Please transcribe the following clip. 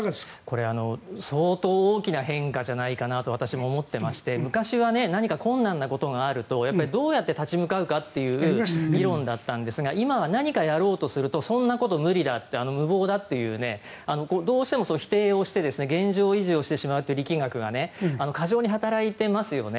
これ相当大きな変化じゃないかなと私も思ってまして昔は何か困難なことがあるとどうやって立ち向かうかという理論だったんですが今は何かやろうとするとそんなこと無理だ無謀だというどうしても否定をして現状維持をしてしまうという力学が過剰に働いていますよね。